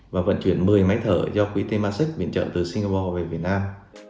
và vận chuyển một mươi máy thở do quỹ t masic biển chở từ singapore về việt nam